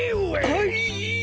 はい！